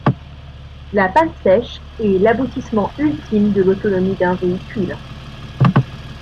La panne sèche est l’aboutissement ultime de l'autonomie d'un véhicule.